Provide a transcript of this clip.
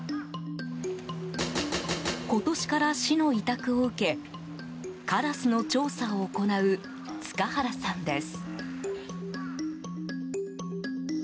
今年から市の委託を受けカラスの調査を行う塚原さんです。